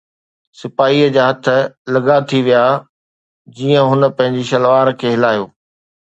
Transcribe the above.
سپاهيءَ جا هٿ لڱا ٿي ويا جيئن هن پنهنجي تلوار کي هلايو.